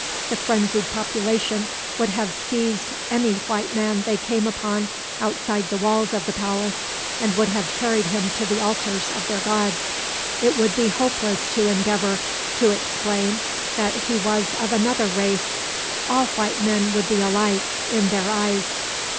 The frenzied population would have seized any white man they came upon, outside the walls of the palace, and would have carried him to the altars of their gods. It would be hopeless to endeavor to explain that he was of another race. All white men would be alike, in their eyes.